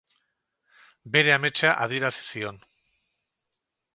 Bere ametsa adierazi zion.